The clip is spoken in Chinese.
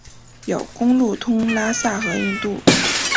有公路通拉萨和印度。